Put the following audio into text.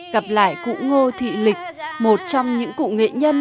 gặp lại cụ ngô thị lịch một trong những cụ nghệ nhân